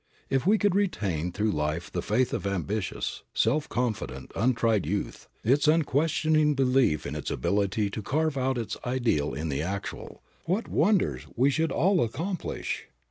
If we could retain through life the faith of ambitious, self confident, untried youth, its unquestioning belief in its ability to carve out its ideal in the actual, what wonders we should all accomplish!